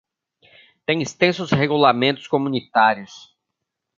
Tem extensos regulamentos comunitários.